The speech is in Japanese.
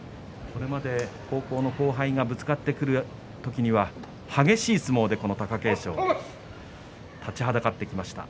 これまで高校の後輩がぶつかってくる時には激しい相撲で貴景勝立ちはだかってきました。